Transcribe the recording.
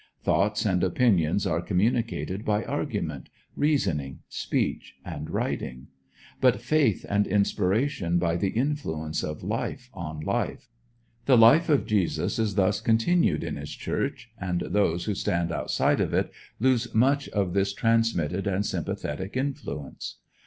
Thoughts and opinions are communicated by argument, reasoning, speech, and writing; but faith and inspiration by the influence of life on life. The life of Jesus is thus continued in his Church, and those who stand outside of it lose much of this transmitted and sympathetic influence.